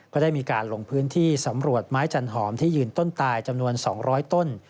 ก็ได้มีการลงพื้นที่สำรวจไม้จันหอมที่ยืนต้นตายจำนวน๒๐๐ต้น